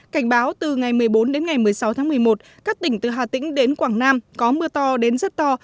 cảnh báo từ ngày một mươi bốn đến ngày một mươi sáu tháng một mươi một các tỉnh từ hà tĩnh đến quảng nam có mưa to đến rất to